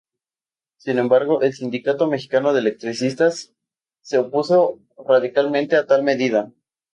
Sin embargo, el Sindicato Mexicano de Electricistas se opuso radicalmente a tal medida.